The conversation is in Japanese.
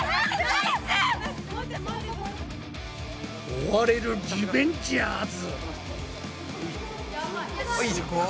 追われるリベンジャーズ。